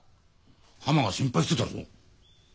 はまが心配してたぞ。